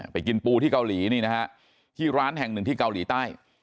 กินปูที่เกาหลีนี่นะฮะที่ร้านแห่งหนึ่งที่เกาหลีใต้